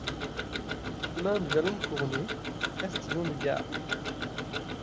Chemin du Vallon de Cournet, Castillon-du-Gard